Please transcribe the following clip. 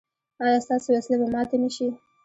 ایا ستاسو وسلې به ماتې نه شي؟